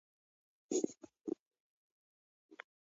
یو څو دقیقې وروسته عربي سټایل لللووللوو شروع شوه.